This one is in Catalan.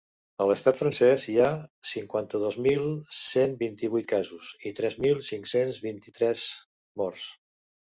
A l’estat francès hi ha cinquanta-dos mil cent vint-i-vuit casos i tres mil cinc-cents vint-i-tres morts.